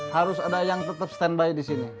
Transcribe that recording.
harus ada yang tetep stand by disini